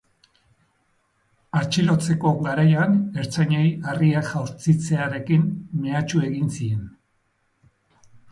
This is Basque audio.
Atxilotzeko garaian ertzainei harriak jaurtitzearekin mehatxu egin zien.